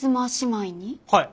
はい。